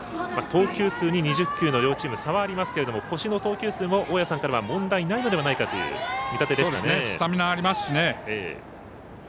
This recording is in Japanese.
投球数に２０球の両チーム差はありますが越井の投球数も問題ないのではないかというスタミナありますしね。